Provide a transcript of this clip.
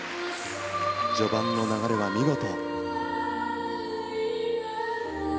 序盤の流れは見事。